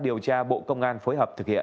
điều tra bộ công an phối hợp thực hiện